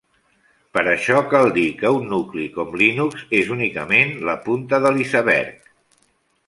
Per això cal dir que un nucli com Linux és únicament la punta de l'iceberg.